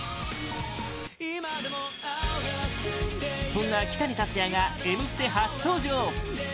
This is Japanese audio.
そんなキタニタツヤが「Ｍステ」初登場！